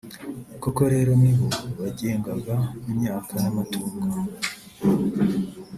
koko rero nibo bagengaga imyaka n’amatungo